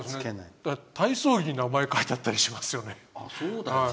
でも体操着に名前が書いてあったりしますよね。